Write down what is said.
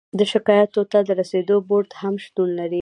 د شکایاتو ته د رسیدو بورد هم شتون لري.